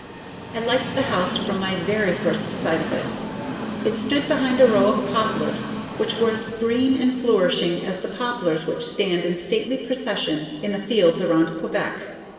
I liked the house from my very first sight of it. It stood behind a row of poplars which were as green and flourishing as the poplars which stand in stately processions in the fields around Quebec.